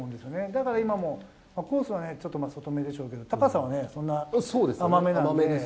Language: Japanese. だから今も、コースはね、ちょっと外目でしょうけど、高さはね、そんな甘めなんで。